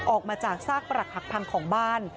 ออกมาจากซากปรักหักพังของบ้าน